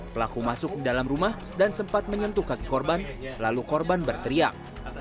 pelaku masuk ke dalam rumah dan sempat menyentuh kaki korban lalu korban berteriak